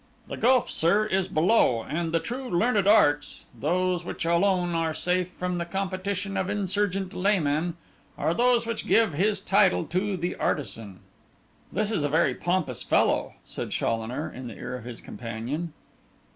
The gulf, sir, is below; and the true learned arts—those which alone are safe from the competition of insurgent laymen—are those which give his title to the artisan.' 'This is a very pompous fellow,' said Challoner, in the ear of his companion.